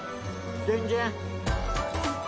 全然。